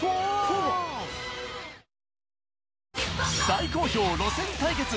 大好評、路線対決。